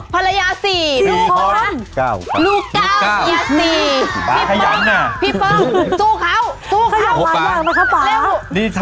ภรณา๔ลูก๙